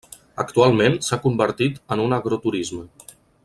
Actualment s'ha convertit en un agroturisme.